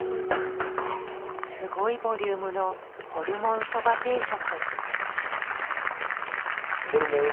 すごいボリュームのホルモンそば定食。